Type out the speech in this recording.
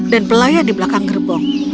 dan pelayar di belakang gerbong